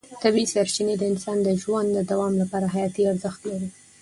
طبیعي سرچینې د انسان د ژوند د دوام لپاره حیاتي ارزښت لري.